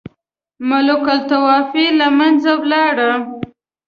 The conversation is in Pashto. ملوک الطوایفي له منځه ولاړه.